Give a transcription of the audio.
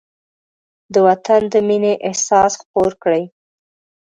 د وطن د مینې احساس خپور کړئ.